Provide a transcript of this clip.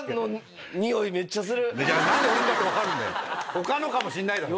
他のかもしれないだろ。